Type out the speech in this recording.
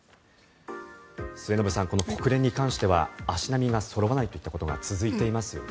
末延さん、この国連に関しては足並みがそろわないといったことが続いていますよね。